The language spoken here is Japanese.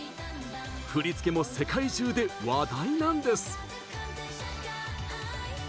振り付けも世界中で話題なんです。